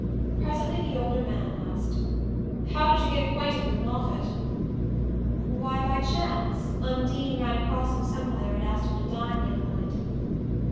Presently the older man asked: "How did you get acquainted with Moffatt?" "Why, by chance Undine ran across him somewhere and asked him to dine the other night."